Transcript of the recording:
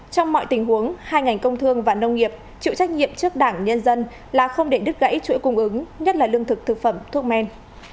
trong mọi tình huống hai ngành công thương và nông nghiệp chịu trách nhiệm trước đảng nhân dân là không để đứt gãy chuỗi cung ứng nhất là lương thực thực phẩm thuốc men